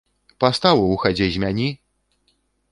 Паставу ў хадзе змяні!